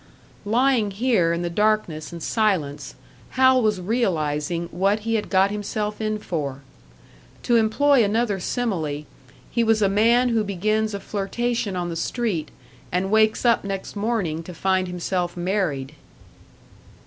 Lying here in the darkness and silence, Hal was realising what he had got himself in for. To employ another simile, he was a man who begins a flirtation on the street, and wakes up next morning to find himself married.